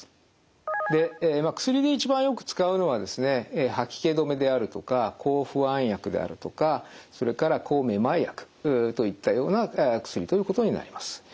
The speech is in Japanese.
で薬で一番よく使うのはですね吐き気止めであるとか抗不安薬であるとかそれから抗めまい薬といったような薬ということになります。